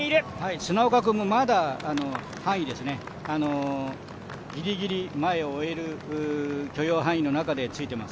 砂岡君もまだ範囲ですね、ギリギリ前を追える許容範囲の中でついています。